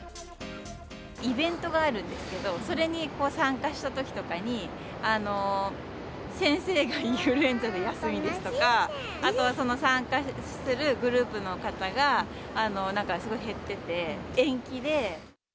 イベントがあるんですけど、それに参加したときとかに、先生がインフルエンザで休みですとか、あとはその参加するグループの方が、なんかすごい減ってて、延期で。